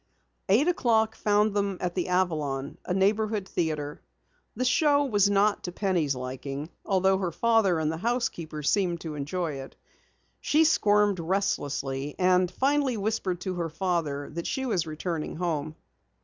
Eight o'clock found them at the Avalon, a neighborhood theatre. The show was not to Penny's liking, although her father and the housekeeper seemed to enjoy it. She squirmed restlessly, and finally whispered to her father that she was returning home.